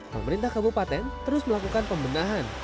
pemerintah kabupaten terus melakukan pembenahan